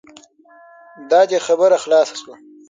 دا دی خبره خلاصه شوه.